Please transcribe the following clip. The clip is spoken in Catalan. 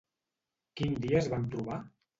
Quin dia es van trobar?